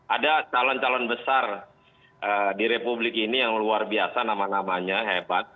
ada calon calon besar di republik ini yang luar biasa nama namanya hebat